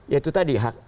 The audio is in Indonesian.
ya itu tadi